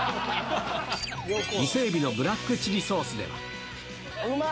伊勢エビのブラックチリソーうまい！